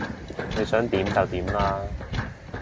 你想點就點啦